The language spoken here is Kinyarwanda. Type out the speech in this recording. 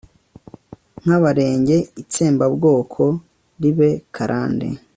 nkAbarenge Itsembabwoko ribe karande